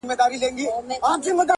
څومره دي لا وګالو زخمونه د پېړیو؛